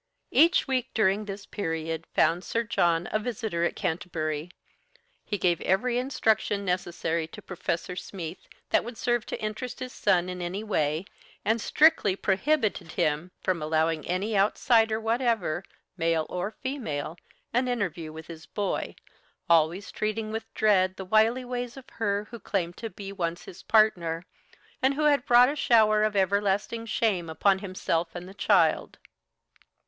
Each week during this period found Sir John a visitor at Canterbury; he gave every instruction necessary to Professor Smeath that would serve to interest his son in any way, and strictly prohibited him from allowing any outsider whatever, male or female, an interview with his boy, always treating with dread the wily ways of her who claimed to be once his partner, and who had brought a shower of everlasting shame upon himself and child.